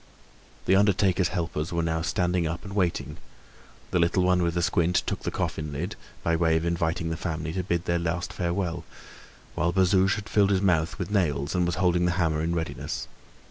The undertaker's helpers were now standing up and waiting; the little one with the squint took the coffin lid, by way of inviting the family to bid their last farewell, whilst Bazouge had filled his mouth with nails and was holding the hammer in readiness.